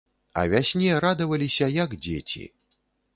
А вясне радаваліся, як дзеці.